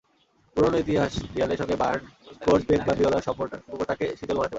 পুরোনো ইতিহাস রিয়ালের সঙ্গে বায়ার্ন কোচ পেপ গার্দিওলার সম্পর্কটাকে শীতল বানাতে পারে।